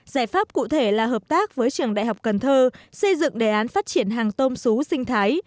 giải pháp cụ thể là hợp tác với trường đại học cần thơ xây dựng đề án phát triển hàng tôm xú sinh thái